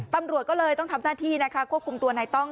ตำรวจก็เลยต้องทำหน้าที่นะคะควบคุมตัวนายต้อง